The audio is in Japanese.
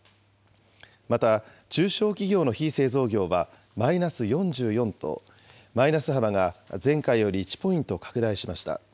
また、中小企業の非製造業は、マイナス４４と、マイナス幅が前回より１ポイント拡大しました。